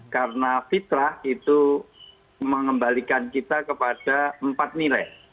karena fitrah itu mengembalikan kita kepada empat nilai